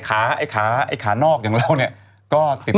แต่ไอ้ขาไอ้ขานอกอย่างเราเนี่ยก็ติดตามอย่างงั้น